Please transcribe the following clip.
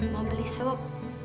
mau beli sok